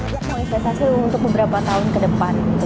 saya mau istesasi untuk beberapa tahun ke depan